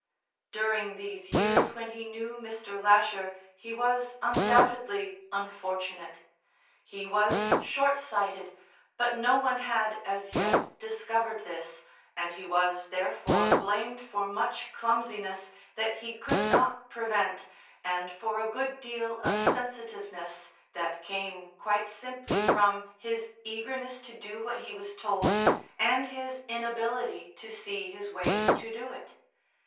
During these years when he knew Mr. Lasher he was undoubtedly unfortunate. He was shortsighted, but no one had, as yet, discovered this, and he was, therefore, blamed for much clumsiness that he could not prevent and for a good deal of sensitiveness that came quite simply from his eagerness to do what he was told and his inability to see his way to do it.